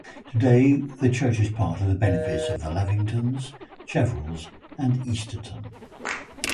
Today the church is part of the benefice of the Lavingtons, Cheverells and Easterton.